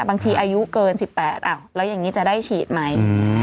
อายุเกิน๑๘แล้วอย่างนี้จะได้ฉีดไหม